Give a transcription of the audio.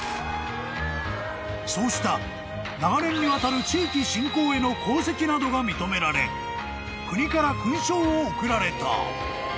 ［そうした長年にわたる地域振興への功績などが認められ国から勲章を贈られた］